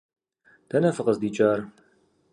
Дэнэ фыкъыздикӀар?